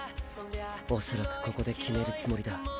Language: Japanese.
恐らくここで決めるつもりだ。